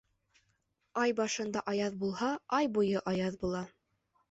Ай башында аяҙ булһа, ай буйы аяҙ була.